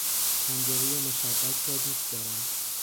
پنجره مشبک را دوست دارم